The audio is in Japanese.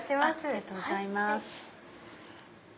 ありがとうございます。